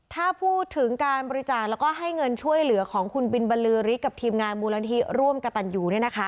ถ้าพูดถึงการบริจาคแล้วก็ให้เงินช่วยเหลือของคุณบินบรรลือฤทธิ์กับทีมงานมูลนิธิร่วมกระตันอยู่